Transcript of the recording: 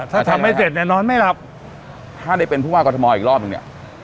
ถ้าทำไม่เสร็จเนี่ยนอนไม่หลับถ้าได้เป็นผู้ว่ากรทมอีกรอบหนึ่งเนี่ย